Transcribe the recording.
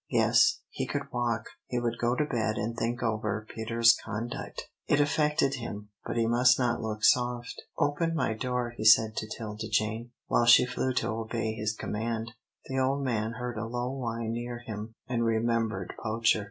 Yes, he could walk, he would go to bed, and think over Peter's conduct. It affected him, but he must not look soft. "Open my door," he said to 'Tilda Jane. While she flew to obey his command, the old man heard a low whine near him, and remembered Poacher.